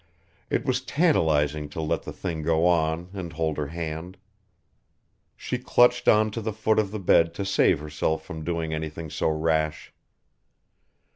It was tantalising to let the thing go on and hold her hand. She clutched on to the foot of the bed to save herself from doing anything so rash.